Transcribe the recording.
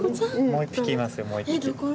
もう一匹いますよもう一匹。